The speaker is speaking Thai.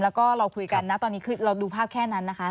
แล้วก็เราคุยกันนะตอนนี้คือเราดูภาพแค่นั้นนะคะ